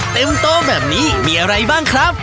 โตแบบนี้มีอะไรบ้างครับ